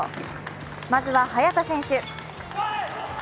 まずは早田選手。